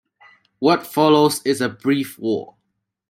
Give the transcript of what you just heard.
What follows is a brief war.